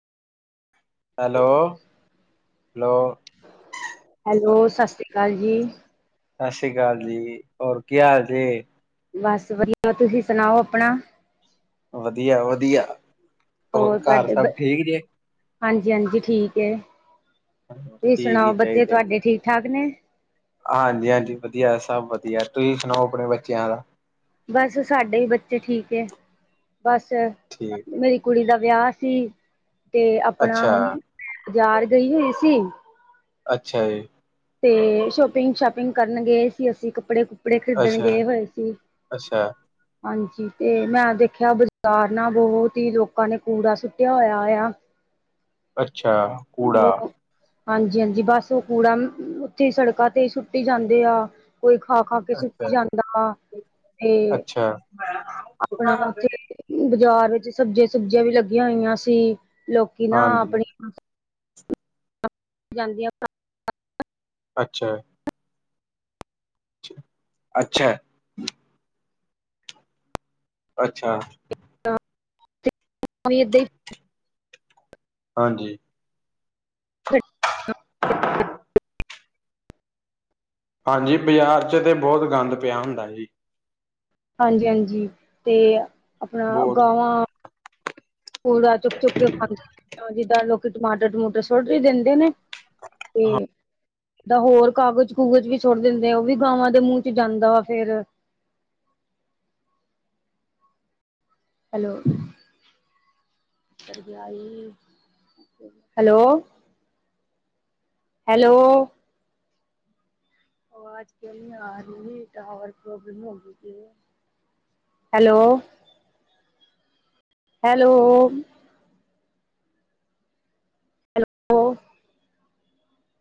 Hello hello hello, ਸਤਿ ਸ੍ਰੀ ਅਕਾਲ ਜੀ ਸਤਿ ਸ੍ਰੀ ਅਕਾਲ ਜੀ, ਹੋਰ ਕੀ ਹਾਲ ਜੈ ਬਸ ਵਧੀਆ, ਤੁਸੀਂ ਸੁਣਾਓ ਆਪਣਾ ਵਧੀਆ ਵਧੀਆ, ਹੋਰ ਘਰ ਸਭ ਠੀਕ ਜੇ ਹਾਂਜੀ ਹਾਂਜੀ ਠੀਕ ਹੈ, ਤੁਸੀਂ ਠੀਕ ਹੀ ਸੁਣਾਓ ਬੱਚੇ ਚਾਹੀਦਾ ਜੀ ਤੁਹਾਡੇ ਠੀਕ ਠਾਕ ਨੇ ਹਾਂਜੀ ਹਾਂਜੀ ਵਧੀਆ ਸਭ ਵਧੀਆ, ਤੁਸੀਂ ਸੁਣਾਓ ਆਪਣੇ ਬੱਚਿਆਂ ਦਾ ਬਸ ਸਾਡੇ ਵੀ ਬੱਚੇ ਠੀਕ ਬਸ ਠੀਕ ਹੈ ਮੇਰੀ ਕੁੜੀ ਦਾ ਵਿਆਹ ਸੀ ਤੇ ਆਪਣਾ ਅੱਛਾ ਹੁਣ ਬਾਜ਼ਾਰ ਗਈ ਹੋਈ ਸੀ ਅੱਛਾ ਜੀ, ਤੇ ਸ਼ੋਪਿੰਗ ਸ਼ਾਪਿੰਗ ਕਰਨ ਗਏ ਸੀ ਅਸੀਂ ਕੱਪੜੇ ਕੱਪੜੇ ਖਰੀਦਣ ਅੱਛਾ ਗਏ ਹੋਏ ਸੀ ਅੱਛਾ ਹਾਂਜੀ, ਤੇ ਮੈਂ ਦੇਖਿਆ ਬਾਜ਼ਾਰ ਨਾ ਬਹੁਤ ਹੀ ਲੋਕਾਂ ਨੇ ਕੂੜਾ ਸੁੱਟਿਆ ਹੋਇਆ ਆ ਅੱਛਾ ਕੂੜਾ ਹਮ- ਹਾਂਜੀ ਹਾਂਜੀ, ਬਸ ਉਹ ਕੂੜਾ ਉੱਥੇ ਸੜਕਾਂ ਤੇ ਸੁੱਟੀ ਜਾਂਦੇ ਆ- ਕੋਈ ਖਾ ਖਾ ਕੇ ਸੁੱਟੀ ਅੱਛਾ ਜਾਂਦਾ ਵਾ ਤੇ ਹਾਂ ਆਪਣਾ ਉੱਥੇ, ਬਾਜ਼ਾਰ ਵਿੱਚ ਸਬਜ਼ੀਆਂ ਸੁਬਜੀਆਂ ਵੀ ਲੱਗੀਆਂ ਹੋਈਆਂ ਸੀ ਲੋਕੀ ਨਾ ਹਾਂਜੀ ਆਪਣੀ- ਜਾਂਦੀਆਂ ਅੱਛਾ ਅੱਛਾ ਅੱਛਾ ਏਦਾਂ ਹੀ ਹਾਂਜੀ ਹਾਂਜੀ, ਬਾਜ਼ਾਰ 'ਚ ਤੇ ਬਹੁਤ ਗੰਦ ਪਿਆ ਹੁੰਦਾ ਜੀ ਹਾਂਜੀ ਹਾਂਜੀ, ਤੇ ਆਪਣਾ ਬਹੁਤ ਗਾਵਾਂ ਕੂੜਾ ਚੁੱਕ ਚੁੱਕ ਕੇ ਖਾਂਦੇ, ਜਿੱਦਾਂ ਲੋਕੀ ਟਮਾਟਰ ਟਮੂਟਰ ਸੋਟ ਹੀ ਦਿੰਦੇ ਨੇ ਤੇ ਦਾ ਹੋਰ ਕਾਗਜ਼ ਕੂਗਜ਼ ਵੀ ਸੁਟ ਦਿੰਦੇ ਆ, ਉਹ ਵੀ ਗਾਵਾਂ ਦੇ ਮੂੰਹ ਚ ਜਾਂਦਾ ਵਾ ਫੇਰ ਹੈਲੋ ਹੈਲੋ ਹੈਲੋ ਆਵਾਜ ਕ ਨ ਆ ਰਹੀ ਹੈ, ਟਾਵਰ ਪ੍ਰੋਬ ਹੈਲੋ। ਹੈਲੋ। [unintelligible]